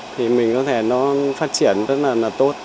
thì mình có thể nó phát triển rất là tốt